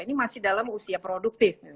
ini masih dalam usia produktif